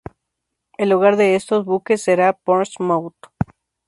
El hogar de estos buques será Portsmouth.